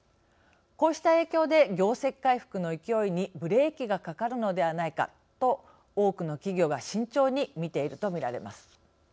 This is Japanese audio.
こうした影響で業績回復の勢いにブレーキがかかるのではないかと多くの企業が慎重に見ているとみられます。